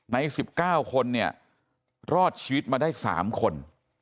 ใน๑๙คนเนี่ยรอดชีวิตมาได้๓คน